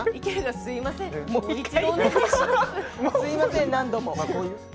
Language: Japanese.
すみません、何度も。